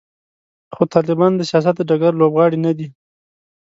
خو طالبان د سیاست د ډګر لوبغاړي نه دي.